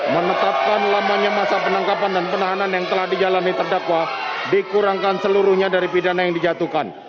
menetapkan lamanya masa penangkapan dan penahanan yang telah dijalani terdakwa dikurangkan seluruhnya dari pidana yang dijatuhkan